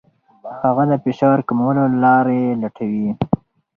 هغه د فشار کمولو لارې لټوي.